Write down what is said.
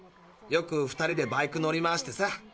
よく２人でバイク乗り回してさ。